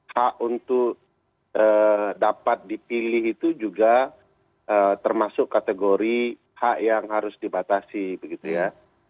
hak untuk dapat dipilih itu juga termasuk kategori hak yang harus dibatasi begitu ya